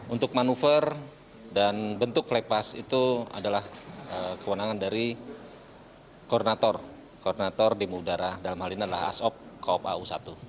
untuk manuver dan bentuk flepas itu adalah kewenangan dari koordinator koordinator di mudara dalam hal ini adalah asop kaup au satu